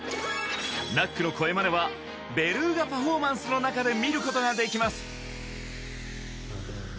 ナックの声マネはベルーガパフォーマンスの中で見ることができます